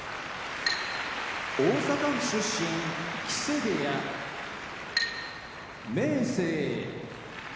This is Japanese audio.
大阪府出身木瀬部屋明生